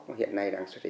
rất thảm khóa